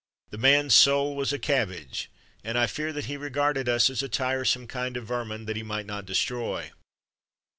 The man's soul was a cabbage, and I fear that he regarded us as a tiresome kind of vermin that he might not destroy.